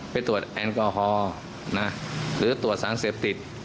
ไปตรวจแอลกอฮอล์หรือตรวจสารเสพติด